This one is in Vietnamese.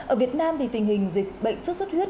ở việt nam thì tình hình dịch bệnh suốt suốt huyết